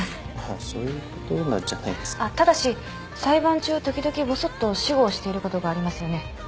あっただし裁判中時々ぼそっと私語をしていることがありますよね。